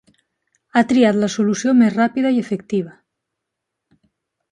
Ha triat la solució més ràpida i efectiva.